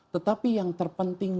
tetapi yang terpenting